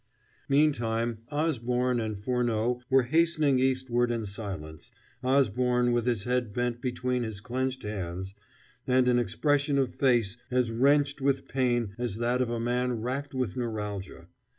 Meantime, Osborne and Furneaux were hastening eastward in silence, Osborne with his head bent between his clenched hands, and an expression of face as wrenched with pain as that of a man racked with neuralgia.